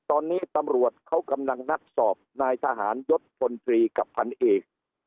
ตอนนี้ตำรวจเขากำลังนัดสอบนายทหารยศพลตรีกับพันเอก